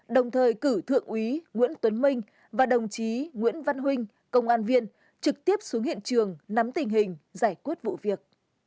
đồng thời cử thượng úy nguyễn tuấn minh và đồng chí nguyễn văn huynh công an viên trực tiếp xuống hiện trường nắm tình hình giải quyết vụ việc